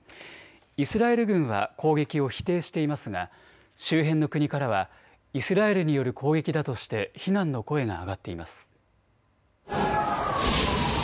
イスラエル軍は攻撃を否定していますが周辺の国からはイスラエルによる攻撃だとして非難の声が上がっています。